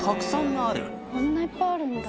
こんないっぱいあるんだ。